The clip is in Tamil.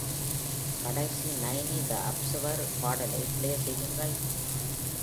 கடைசி நைனி த அப்சர்வர் பாடலை ப்ளே செய்யுங்கள்